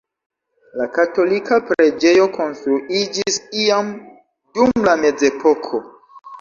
La katolika preĝejo konstruiĝis iam dum la mezepoko.